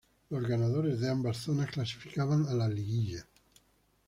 Los ganadores de ambas zonas clasificaban a la Liguilla.